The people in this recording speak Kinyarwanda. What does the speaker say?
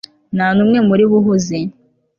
nta n'umwe muri bo uhuze